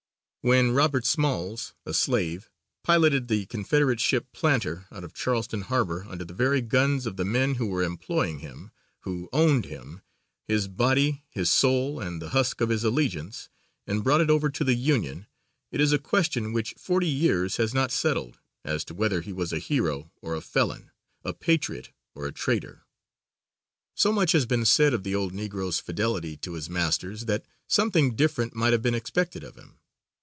When Robert Smalls, a slave, piloted the Confederate ship Planter out of Charleston Harbor under the very guns of the men who were employing him, who owned him, his body, his soul, and the husk of his allegiance, and brought it over to the Union, it is a question which forty years has not settled as to whether he was a hero or a felon, a patriot or a traitor. So much has been said of the old Negro's fidelity to his masters that something different might have been expected of him.